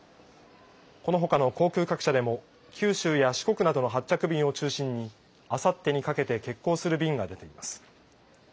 このほかの航空各社でも九州や四国などの発着便を中心にあさってにかけて欠航する便が出ています。